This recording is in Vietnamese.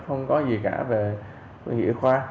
không có gì cả về dĩa khoa